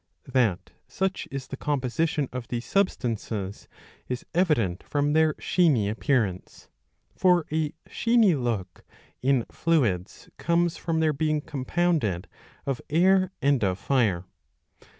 That such is the composition of these substances is evident from their sheeny appearance. For a sheeny look in fluids comes from their being compounded of air and of fire.